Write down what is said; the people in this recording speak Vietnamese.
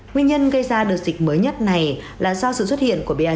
nguyên nhân gây ra đợt dịch mới nhất này là do sự xuất hiện của ba hai